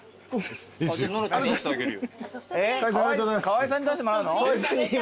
川合さんに出してもらうの？